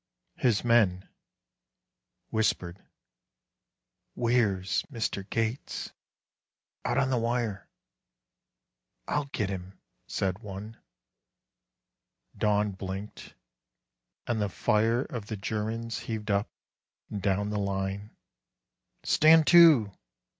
His men Whispered: "Where's Mister Gates?" "Out on the wire." "I'll get him," said one.... Dawn blinked, and the fire Of the Germans heaved up and down the line. "Stand to!"